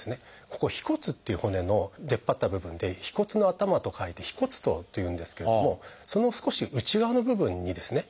ここ「腓骨」っていう骨の出っ張った部分で「腓骨」の「頭」と書いて「腓骨頭」というんですけどもその少し内側の部分にですね